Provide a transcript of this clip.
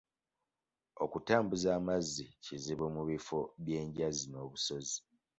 Okutambuza amazzi kuzibu mu bifo by'enjazi n'obusozi.